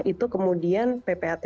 itu kemudian ppatk